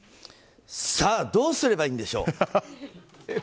さあどうすればいいんでしょう？